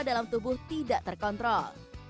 dalam tubuh tidak terkontrol